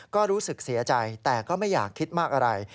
ก็รู้สึกเสียใจแต่ก็ไม่อยากคิดมากอะไร